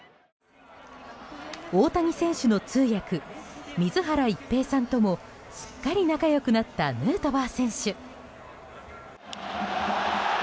大谷選手の通訳水原一平さんともすっかり仲良くなったヌートバー選手。